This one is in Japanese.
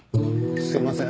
すいません。